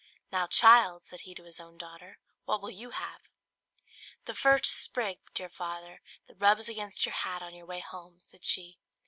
"Now, child," said he to his own daughter, "what will you have?" "The first sprig, dear father, that rubs against your hat on your way home," said she.